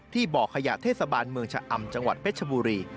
บ่อขยะเทศบาลเมืองชะอำจังหวัดเพชรบุรี